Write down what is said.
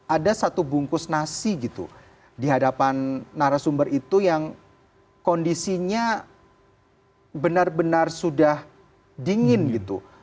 ada satu bungkus nasi gitu di hadapan narasumber itu yang kondisinya benar benar sudah dingin gitu